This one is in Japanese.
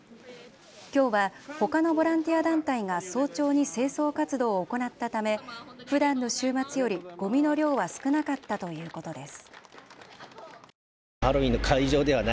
きょうはほかのボランティア団体が早朝に清掃活動を行ったためふだんの週末より、ごみの量は少なかったということです。